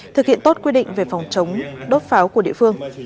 thực hiện tốt quy định về phòng chống đốt pháo của địa phương